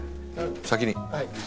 先に。